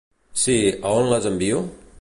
Si, a on les envio?